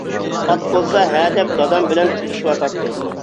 ئات بولسا ھە دەپ دادام بىلەن تىركىشىۋاتاتتى.